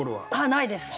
ないです